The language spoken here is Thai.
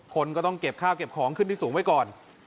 คนก็ต้องเก็บข้าวเก็บของขึ้นที่สูงไว้ก่อน